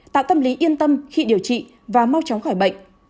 tạo tâm lý yên tâm khi điều trị và mau chóng khỏi bệnh